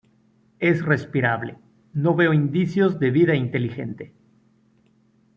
Es respirable. No veo indicios de vida inteligente.